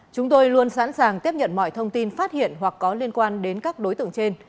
chúng tôi luôn sẵn sàng tiếp nhận mọi thông tin phát hiện hoặc có liên quan đến các đối tượng trên